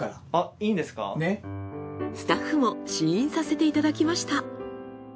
スタッフも試飲させていただきました。